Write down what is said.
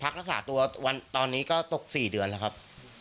พักละสามตัววันตอนนี้ก็ตกสี่เดือนแล้วครับ